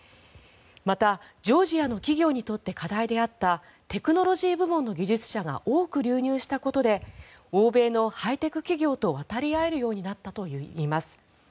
また、ジョージアの企業にとって課題であったテクノロジー部門の技術者が多く流入したことで欧米のハイテク企業と渡り合えるようになったといいます。